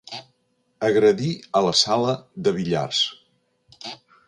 Agredir a la sala de billars.